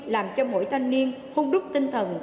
làm cho mỗi thanh niên hôn đúc tinh thần